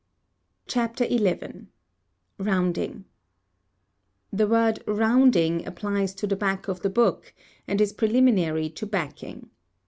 _ CHAPTER XI. ROUNDING. The word "rounding" applies to the back of the book, and is preliminary to backing.